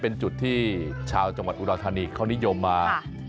เป็นจุดที่ชาวจังหวัดอุดรธานีเขานิยมมา